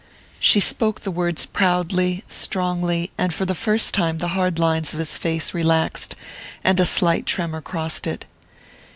She spoke the words proudly, strongly, and for the first time the hard lines of his face relaxed, and a slight tremor crossed it.